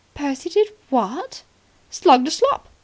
"Percy did what?" "Slugged a slop.